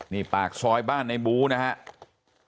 นี่ปากซอยบ้านในบูนะครับ